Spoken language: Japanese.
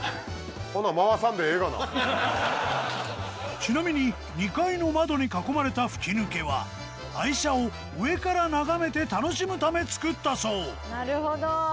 ちなみに２階の窓に囲まれた吹き抜けは愛車を上から眺めて楽しむためつくったそうなるほど。